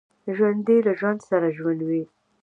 ژوندي له ژوند سره ژمن وي